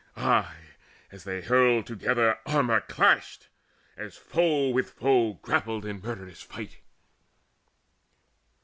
Aye, as they hurled together, armour clashed, As foe with foe grappled in murderous fight.